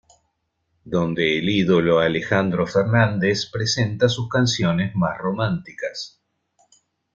Donde el ídolo Alejandro Fernández presenta sus canciones más románticas.